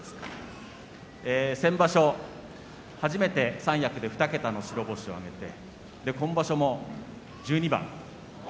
先場所、初めて三役で２桁の白星を挙げて今場所も１２番。